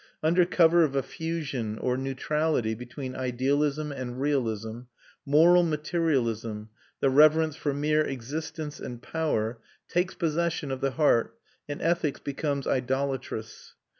Under cover of a fusion or neutrality between idealism and realism, moral materialism, the reverence for mere existence and power, takes possession of the heart, and ethics becomes idolatrous.